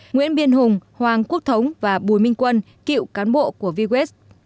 nguyễn biên hùng hoàng quốc thống và bùi minh quân cựu cán bộ của vi west